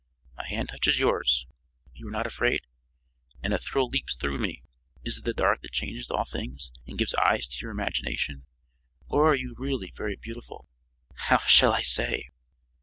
My hand touches yours you are not afraid? and a thrill leaps through me. Is it the dark that changes all things and gives eyes to your imagination, or are you really very beautiful?" "How shall I say?"